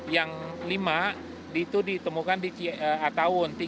yang lima itu ditemukan di ataun